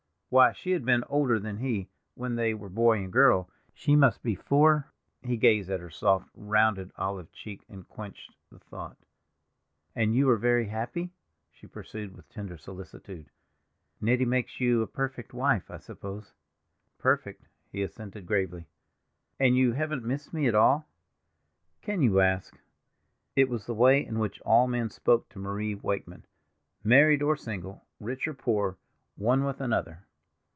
Why, she had been older than he when they were boy and girl; she must be for—He gazed at her soft, rounded, olive cheek, and quenched the thought. "And you are very happy?" she pursued, with tender solicitude. "Nettie makes you a perfect wife, I suppose." "Perfect," he assented gravely. "And you haven't missed me at all?" "Can you ask?" It was the way in which all men spoke to Marie Wakeman, married or single, rich or poor, one with another.